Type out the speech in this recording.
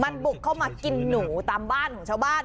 มันบุกเข้ามากินหนูตามบ้านของชาวบ้าน